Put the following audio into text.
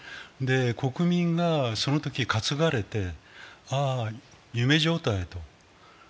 国民がそのとき担がれて、ああ、夢状態と。